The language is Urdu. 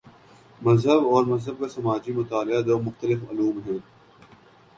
مذہب اور مذہب کا سماجی مطالعہ دو مختلف علوم ہیں۔